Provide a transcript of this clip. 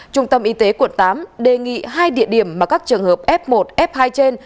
trung tâm y tế quận tám đề nghị hai địa điểm mà các trường hợp f một f hai trên